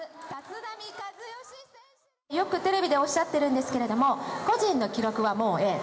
よくテレビでおっしゃってるんですけれども「個人の記録はもうええ」